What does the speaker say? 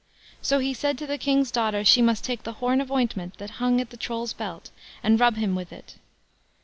So he said to the King's daughter she must take the horn of ointment that hung at the Troll's belt, and rub him with it.